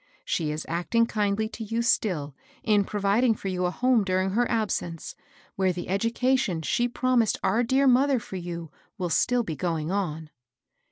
She is acting kindly to you still, in providing for you a home during her absence, where the education she promised our dear mother for you will still be going on."